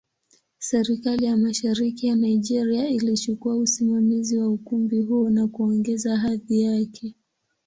Serikali ya Mashariki ya Nigeria ilichukua usimamizi wa ukumbi huo na kuongeza hadhi yake.